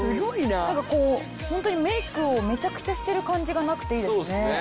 なんかこうホントにメイクをめちゃくちゃしてる感じがなくていいですね。